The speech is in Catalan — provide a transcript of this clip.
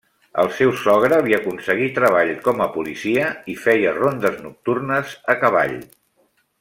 El seu sogre li aconseguí treball com a policia i feia rondes nocturnes a cavall.